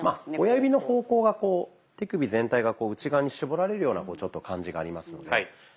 親指の方向がこう手首全体がこう内側に絞られるような感じがありますよね。